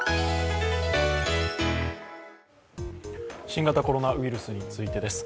新型コロナウイルスについてです。